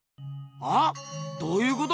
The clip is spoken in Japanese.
は？どういうこと？